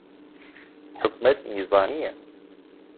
حکوومەت نیزامییە